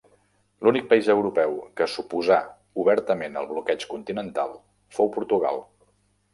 L'únic país europeu que s'oposà obertament al Bloqueig Continental fou Portugal.